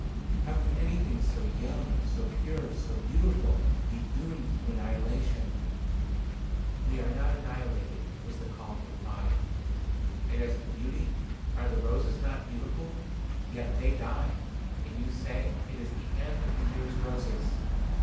How can anything so young, so pure, so beautiful, be doomed to annihilation?" "We are not annihilated," was the calm reply. "And as to beauty, are the roses not beautiful? Yet they die and you say it is the end of the year's roses.